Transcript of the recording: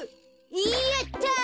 やった！